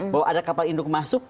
bahwa ada kapal induk masuk